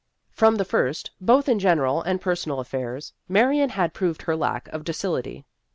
From the first, both in general and personal affairs, Marion had proved her lack of docility.